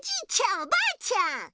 おばあちゃん！